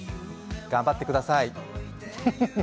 頑張ってください、フフフ。